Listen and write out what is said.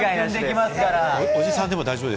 おじさんでも大丈夫？